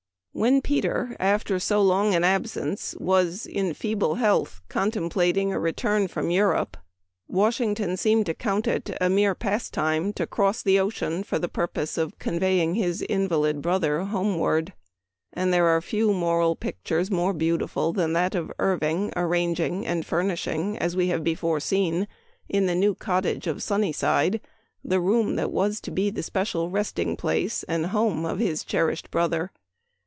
When Peter, after so long an absence, was, in his feeble health, con templating a return from Europe, Washington seemed to count it a mere pastime to cross the ocean for the purpose of conveying his invalid brother homeward. And there are few moral pictures more beautiful than that of Irving ar ranging and furnishing, as we have before seen, in the new cottage of Sunnyside, the room that was to be the special resting place and home of his cherished brother.